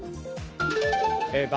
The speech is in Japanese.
馬